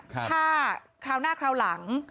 ถ้าคราวหน้าคราวหลัง